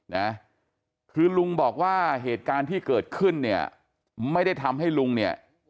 นะคือลุงบอกว่าเหตุการณ์ที่เกิดขึ้นเนี่ยไม่ได้ทำให้ลุงเนี่ย